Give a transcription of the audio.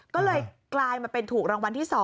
ก็เลยกลายมาเป็นถูกรางวัลที่๒